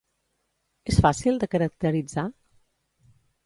És fàcil de caracteritzar?